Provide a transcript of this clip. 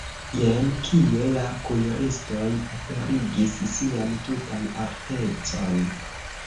Jen kie la kuiristoj aperigis sian tutan artecon!